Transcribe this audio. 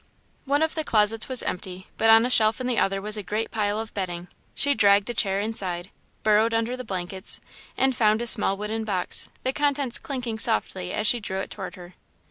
One of the closets was empty, but on a shelf in the other was a great pile of bedding. She dragged a chair inside, burrowed under the blankets, and found a small wooden box, the contents clinking softly as she drew it toward her.